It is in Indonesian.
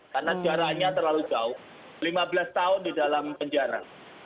karena jaraknya terlalu jauh lima belas tahun di dalam penjara